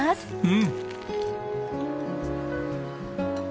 うん。